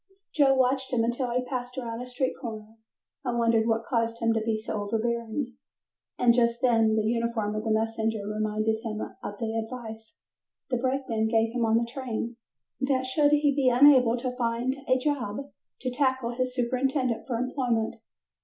Joe watched him until he passed around a street corner and wondered what caused him to be so overbearing, and just then the uniform of the messenger reminded him of the advice the brakeman gave him on the train, that should he be unable to find a job to tackle his superintendent for employment.